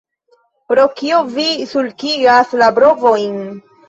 Pro kio vi sulkigas la brovojn?